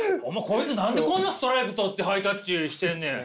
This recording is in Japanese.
こいつ何でこんなストライク取ってハイタッチしてんねん！